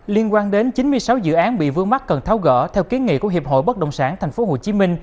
liên quan đến chín mươi sáu dự án bị vương mắc cần tháo gỡ theo kiến nghị của hiệp hội bất động sản tp hcm